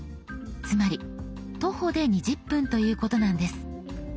つまり徒歩で２０分ということなんです。